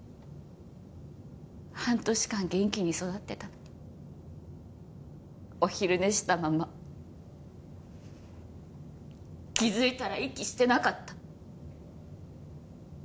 半年間元気に育ってたのにお昼寝したまま気づいたら息してなかった。